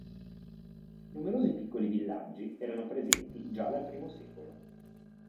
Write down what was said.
Numerosi piccoli villaggi erano presenti già dal I secolo.